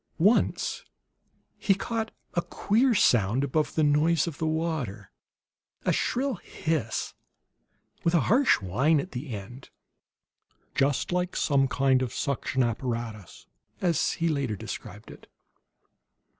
Once he caught a queer sound above the noise of the water; a shrill hiss, with a harsh whine at the end. "Just like some kind of suction apparatus," as he later described it.